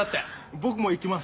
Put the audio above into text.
僕も行きます。